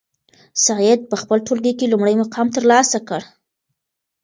سعید په خپل ټولګي کې لومړی مقام ترلاسه کړ.